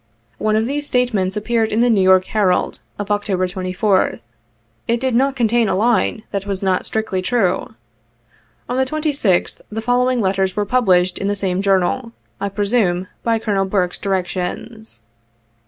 One of these state ments appeared in the New York Herald, of October 24th. It did not contain a line that was not strictly true. On the 26th, the following letters were published in the same journal, I presume, by Colonel Burke's directions.